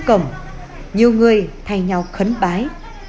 tại cổng nhiều người thay nhau khấn bái